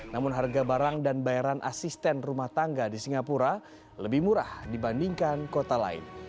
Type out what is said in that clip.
namun harga barang dan bayaran asisten rumah tangga di singapura lebih murah dibandingkan kota lain